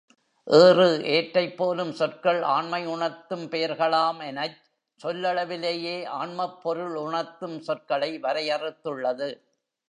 ஏறு, ஏற்றை போலும் சொற்கள் ஆண்மை உணர்த்தும் பெயர்களாம் எனச் சொல்லளவிலேயே ஆண்மைப் பொருள் உணர்த்தும் சொற்களை வரையறுத்துள்ளது.